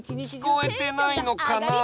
きこえてないのかな？